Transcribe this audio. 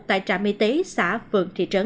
tại trạm y tế xã vương